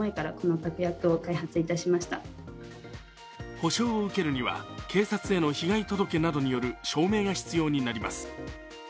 補償を受けるには警察への被害届などによる証明が必要になります。